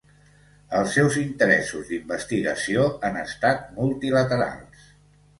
Els seus interessos d'investigació han estat multilaterals.